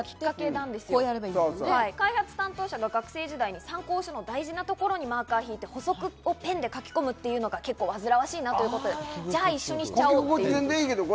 開発担当者が学生時代に参考書の大事なところにマーカーを引いて、補足をペンで書き込むというのが結構わずらわしいということで、一緒にしちゃおうということだそうです。